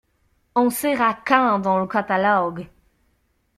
On sera quand dans le catalogue?